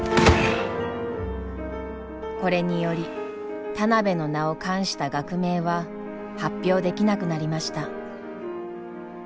これにより田邊の名を冠した学名は発表できなくなりました。